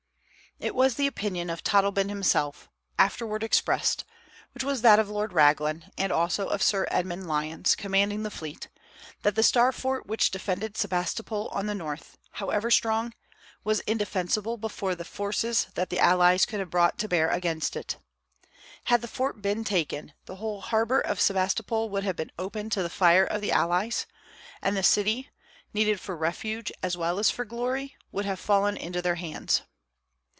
It was the opinion of Todleben himself, afterward expressed, which was that of Lord Raglan, and also of Sir Edmund Lyons, commanding the fleet, that the Star Fort which defended Sebastopol on the north, however strong, was indefensible before the forces that the allies could have brought to bear against it. Had the Star Fort been taken, the whole harbor of Sebastopol would have been open to the fire of the allies, and the city needed for refuge as well as for glory would have fallen into their hands.